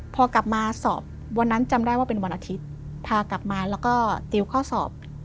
พอกลับมาสอบวันนั้นจำได้ว่าเป็นวันอาทิตย์พากลับมาแล้วก็ติวข้อสอบ